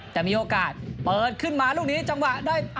แต่มีโอกาสเปิดขึ้นมาลูกนี้จังหวะได้